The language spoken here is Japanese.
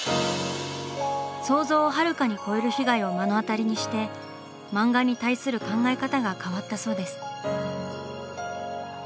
想像をはるかに超える被害を目の当たりにして漫画に対する考え方が変わったそうです。